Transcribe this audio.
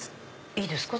いいですか？